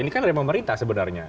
ini kan dari pemerintah sebenarnya